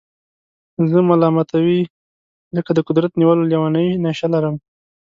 زه ملامتوئ ځکه د قدرت نیولو لېونۍ نېشه لرم.